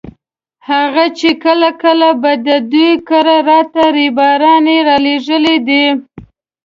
هغه چې کله کله به د دوی کره راته ريباران یې رالېږلي دي.